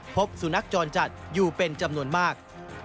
พบสุนัขจรจัดอยู่เป็นจำนวนมาก